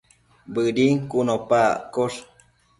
Bëdin cun opa accosh